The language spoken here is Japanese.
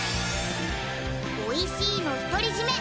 おいしいの独り占め